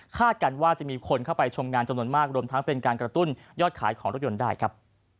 กันว่าจะมีคนเข้าไปชมงานจำนวนมากรวมทั้งเป็นการกระตุ้นยอดขายของรถยนต์ได้ครับ